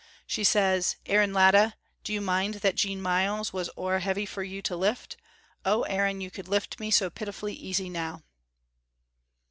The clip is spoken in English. "She says, 'Aaron Latta, do you mind that Jean Myles was ower heavy for you to lift? Oh, Aaron, you could lift me so pitiful easy now.'"